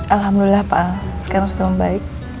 alhamdulillah pak sekarang sudah membaik